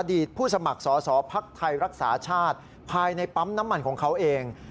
ผู้สมัครสอสอภักดิ์ไทยรักษาชาติภายในปั๊มน้ำมันของเขาเอง